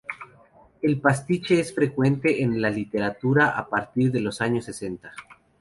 El pastiche es frecuente en la literatura a partir de los años sesenta.